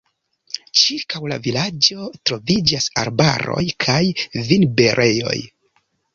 Ĉirkaŭ la vilaĝo troviĝas arbaroj kaj vinberejoj.